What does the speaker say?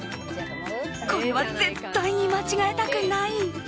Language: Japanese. これは絶対に間違えたくない。